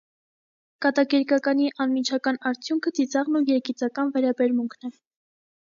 Կատակերգականի անմիջական արդյունքը ծիծաղն ու երգիծական վերաբերմունքն է։